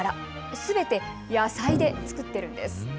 すべて野菜で作っているんです。